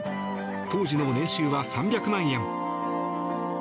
当時の年収は３００万円。